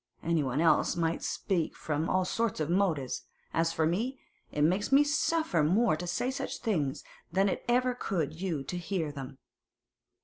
Anyone else might speak from all sorts of motives; as for me, it makes me suffer more to say such things than it ever could you to hear them.